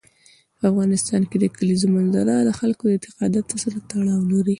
په افغانستان کې د کلیزو منظره د خلکو د اعتقاداتو سره تړاو لري.